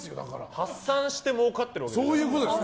発散して、もうかるわけですね。